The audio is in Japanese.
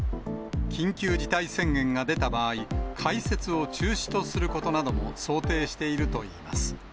緊急事態宣言が出た場合、開設を中止とすることなども想定しているといいます。